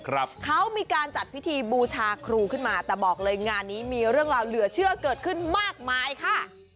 เขามีการจัดพิธีบูชาครูขึ้นมาแต่บอกเลยงานนี้มีเรื่องราวเหลือเชื่อเกิดขึ้นมากมายค่ะ